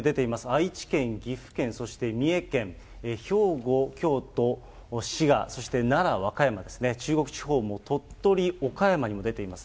愛知県、岐阜県、そして三重県、兵庫、京都、滋賀、そして奈良、和歌山ですね、中国地方も鳥取、岡山にも出ています。